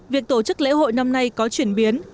việc tổ chức lễ hội năm nay có chuyển biến